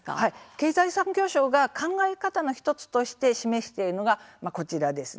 経済産業省が考え方の１つとして示しているのがこちらです。